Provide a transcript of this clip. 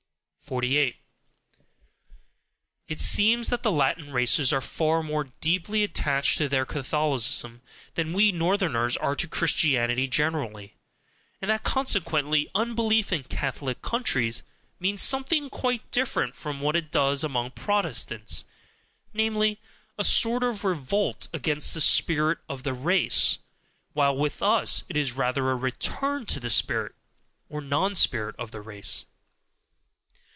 48. It seems that the Latin races are far more deeply attached to their Catholicism than we Northerners are to Christianity generally, and that consequently unbelief in Catholic countries means something quite different from what it does among Protestants namely, a sort of revolt against the spirit of the race, while with us it is rather a return to the spirit (or non spirit) of the race.